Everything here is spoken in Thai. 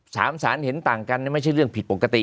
สารเห็นต่างกันไม่ใช่เรื่องผิดปกติ